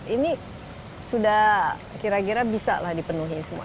ini sudah kira kira bisa lah dipenuhi semua